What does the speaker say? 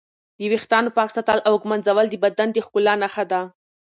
د ویښتانو پاک ساتل او ږمنځول د بدن د ښکلا نښه ده.